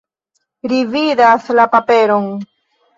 Ri vidas la paperon.